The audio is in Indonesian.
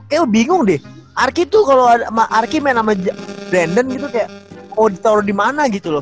eh lo bingung deh arki tuh kalo sama arki main sama brandon gitu kayak mau ditaro dimana gitu loh